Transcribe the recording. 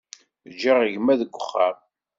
Ǧǧiɣ gma deg uxxam.